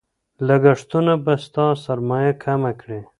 لګښتونه به ستا سرمایه کمه کړي.